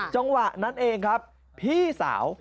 จังหวะนั้นเองครับพี่สาว